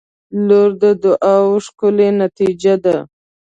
• لور د دعاوو ښکلی نتیجه ده.